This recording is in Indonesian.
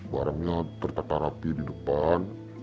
barangnya tertata rapi di depan